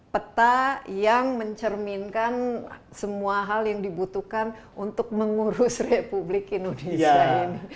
peta yang mencerminkan semua hal yang dibutuhkan untuk mengurus republik indonesia ini